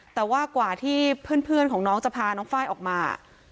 แต่ว่ากว่าที่เพื่อนของน้องจะพาน้องไฟล์ออกมา